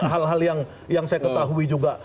hal hal yang saya ketahui juga